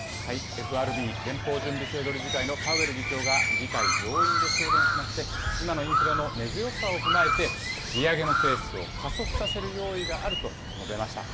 ＦＲＢ・連邦準備制度理事会のパウエル議長が、議会上院で証言しまして、今のインフレの根強さを踏まえて、利上げのペースを加速させる用意があると述べました。